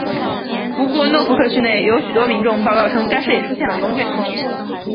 不过诺福克市内有许多民众报告称该市也出现了龙卷风。